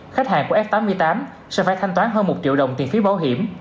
khách hàng của f tám mươi tám sẽ phải thanh toán hơn một triệu đồng tiền phí bảo hiểm